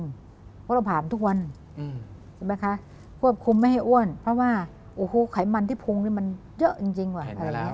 เพราะเราผ่ามทุกวันใช่ไหมคะควบคุมไม่ให้อ้วนเพราะว่าโอ้โหไขมันที่พุงนี่มันเยอะจริงว่ะอะไรอย่างนี้